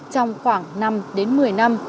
trong khoảng năm đến một mươi năm